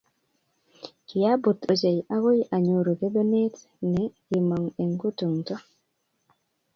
kiabut ochei akoi anyoru kibenet ni kimong eng kutungto